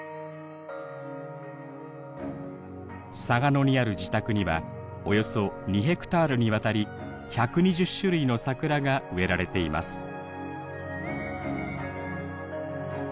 嵯峨野にある自宅にはおよそ２ヘクタールにわたり１２０種類の桜が植えられています